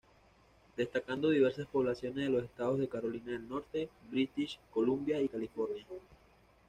Destacando diversas poblaciones de los estados de Carolina del Norte, British Columbia y California.